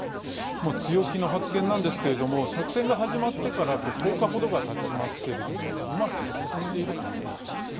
強気の発言なんですけれども作戦が始まってから１０日程が、たちますけれどもうまく進んでいるといえるんでしょうか。